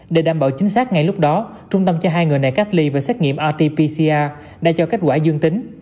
để đảm bảo chính xác ngay lúc đó trung tâm cho hai người này cách ly và xét nghiệm rt pcca đã cho kết quả dương tính